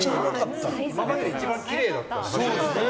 今までで一番きれいだった。